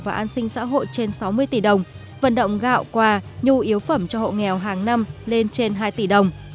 và an sinh xã hội trên sáu mươi tỷ đồng vận động gạo quà nhu yếu phẩm cho hộ nghèo hàng năm lên trên hai tỷ đồng